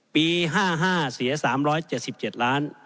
ปี๕๕เสีย๓๗๗ล้าน